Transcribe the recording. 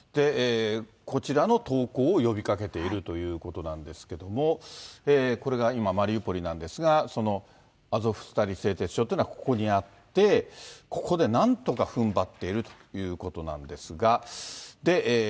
こちらの投降を呼びかけているということなんですけれども、これが今、マリウポリなんですが、そのアゾフスタリ製鉄所というのはここにあって、ここでなんとかふんばっているということなんですが。